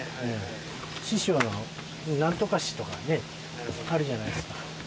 師匠の「なんとか師」とかねあるじゃないですか。